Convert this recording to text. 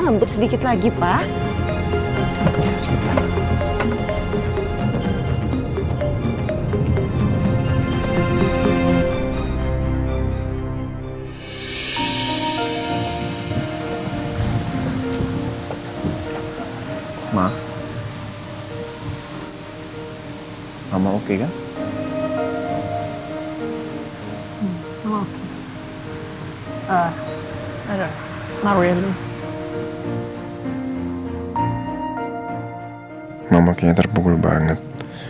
mama kayaknya terpukul banget